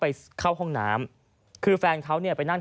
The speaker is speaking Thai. พร้อมกับหยิบมือถือขึ้นไปแอบถ่ายเลย